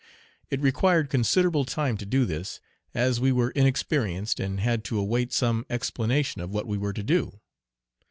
It required considerable time to do this, as we were inexperienced and had to await some explanation of what we were to do.